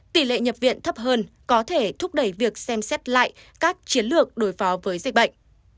tỷ lệ nhập viện thấp hơn có thể thúc đẩy việc xem xét lại các chiến lược đối phó với dịch bệnh